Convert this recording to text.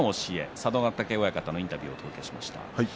佐渡ヶ嶽親方のインタビューをお届けしました。